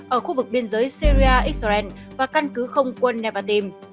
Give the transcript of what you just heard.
ở khu vực biên giới syria israel và căn cứ không quân nevadin